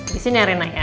disini reina ya